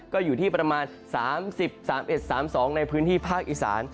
ก็อยู่ที่ประมาณ๓๐๓๑๓๒ในพื้นที่ภาคอีสาน